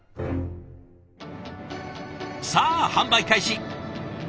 さあ販売開始！